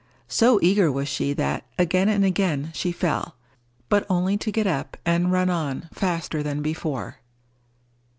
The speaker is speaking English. So eager was she, that again and again she fell, but only to get up, and run on faster than before.